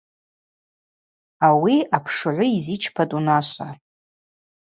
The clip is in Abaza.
Ауи апшгӏвы йзичпатӏ унашва.